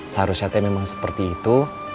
seharusnya memang seperti itu